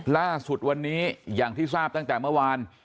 ล่าสุดวันนี้อย่างที่ทราบตั้งแต่เมื่อวาน